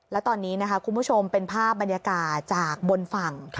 และตอนนี้นะคะคุณผู้ชมเป็นภาพบรรยากาศจากบนฝั่ง